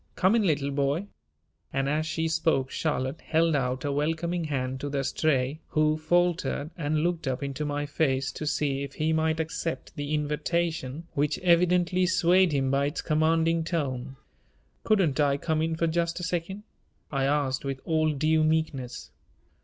Come in, little boy!" and as she spoke Charlotte held out a welcoming hand to the Stray, who faltered and looked up into my face to see if he might accept the invitation which evidently swayed him by its commanding tone. "Couldn't I come in for just a second?" I asked with all due meekness.